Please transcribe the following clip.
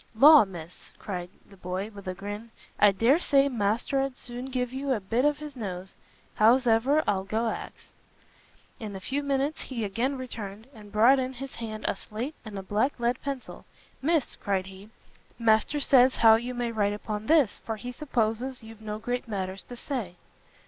"Law, Miss," cried the boy, with a grin, "I dare say master'd as soon give you a bit of his nose! howsever, I'll go ax." In a few minutes he again returned, and brought in his hand a slate and a black lead pencil; "Miss," cried he, "Master says how you may write upon this, for he supposes you've no great matters to say."